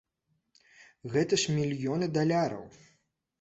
Гэта ж мільёны даляраў.